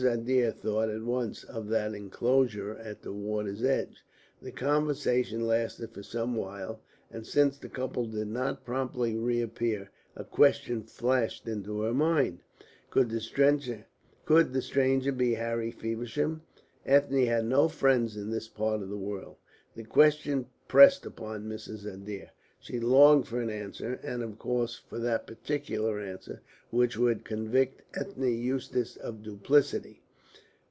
Adair thought at once of that enclosure at the water's edge. The conversation lasted for some while, and since the couple did not promptly reappear, a question flashed into her mind. "Could the stranger be Harry Feversham?" Ethne had no friends in this part of the world. The question pressed upon Mrs. Adair. She longed for an answer, and of course for that particular answer which would convict Ethne Eustace of duplicity.